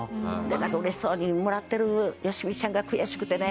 なんか嬉しそうにもらってるよしみちゃんが悔しくてね。